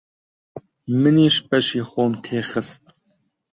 منیش بەشی خۆم تێ خست.